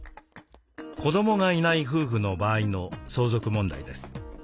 「子どもがいない夫婦の場合」の相続問題です。